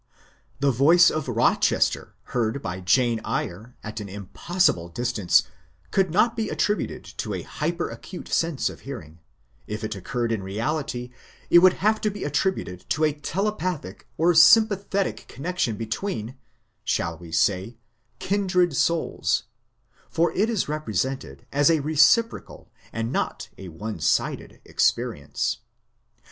The voice of Rochester heard by Jane Eyre at an impossible distance could not be attributed to a hyper acute sense of hear ing; if it occurred in reality it would have to be attributed to a telepathic or sympathetic connection between, shall we say, kin dred souls; for it is represented as a reciprocal and not a one sided experience.